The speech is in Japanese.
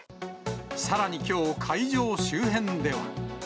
さらにきょう、会場周辺では。